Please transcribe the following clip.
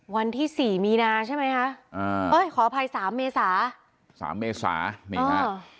วันที่สี่มีนาใช่ไหมคะอ่าเอ้ยขออภัยสามเมษาสามเมษานี่ฮะ